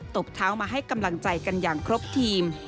บเท้ามาให้กำลังใจกันอย่างครบทีม